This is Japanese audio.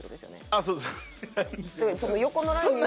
ああそうです。